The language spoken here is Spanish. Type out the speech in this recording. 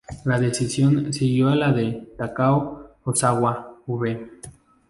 La decisión siguió a la de Takao Ozawa v.